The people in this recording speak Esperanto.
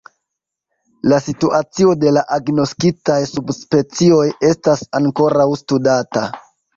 La situacio de la agnoskitaj subspecioj estas ankoraŭ studata.